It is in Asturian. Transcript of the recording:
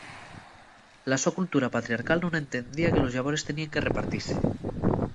La so cultura patriarcal nun entendía que los llabores teníen que repartise.